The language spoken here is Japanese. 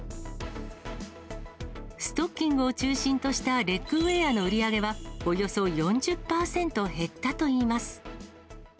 ストッキングを中心としたレッグウエアの売り上げはおよそ４０％減ったといいます。